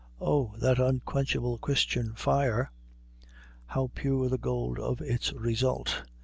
O, that unquenchable Christian fire, how pure the gold of its result!